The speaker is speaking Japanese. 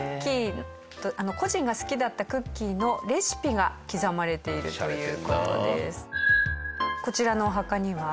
故人が好きだったクッキーのレシピが刻まれているという事です。